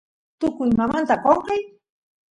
tukuymamnta qonqay